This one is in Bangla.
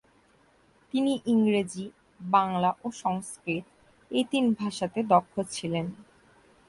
তিনি ইংরেজি, বাংলা ও সংস্কৃত এই তিন ভাষাতে দক্ষ ছিলেন।